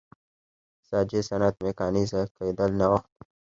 نساجۍ صنعت میکانیزه کېدل نوښت و.